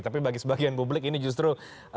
tapi bagi sebagian publik ini justru